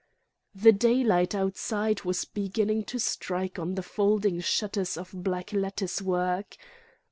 The daylight outside was beginning to strike on the folding shutters of black lattice work.